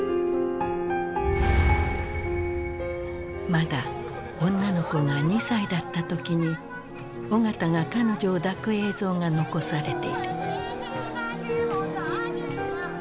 まだ女の子が２歳だった時に緒方が彼女を抱く映像が残されている。